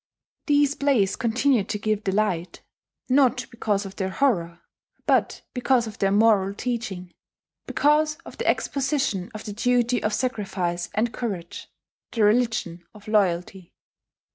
These plays continue to give delight, not because of their horror, but because of their moral teaching, because of their exposition of the duty of sacrifice and courage, the religion of loyalty.